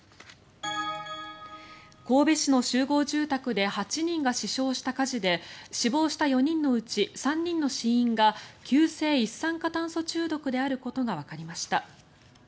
神戸市の集合住宅で８人が死傷した火事で死亡した４人のうち３人の死因が急性一酸化炭素中毒であることがわかりました。